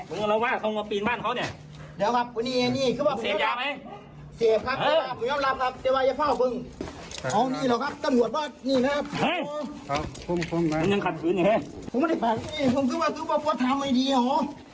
ผมไม่ได้ฝากนี้ผมคิดว่าคุณพ่อพ่อทำให้ดีหรอ